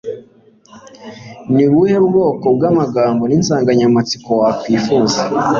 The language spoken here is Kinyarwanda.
Ni ubuhe bwoko bw'amagambo n'insanganyamatsiko wakwifuza?